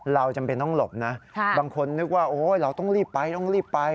จำเป็นต้องหลบนะบางคนนึกว่าเราต้องรีบไปต้องรีบไป